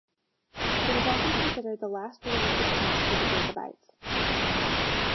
It is often considered the last realistic chance for the Jacobites.